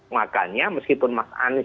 makanya meskipun mas anies